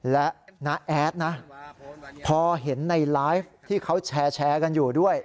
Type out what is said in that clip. และน้าแอดนะพอเห็นในไลฟ์ที่เขาแชร์กันอยู่ด้วย